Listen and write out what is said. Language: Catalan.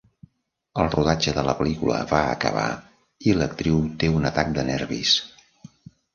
El rodatge de la pel·lícula va acabar i l'actriu té un atac de nervis.